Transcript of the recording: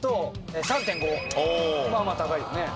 まあまあ高いよね。